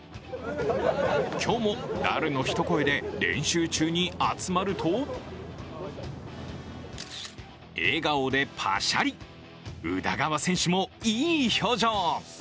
今日も、ダルの一声で練習中に集まると笑顔でぱしゃり、宇田川選手もいい表情。